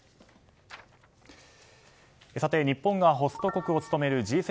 日本がホスト国を務めるＧ７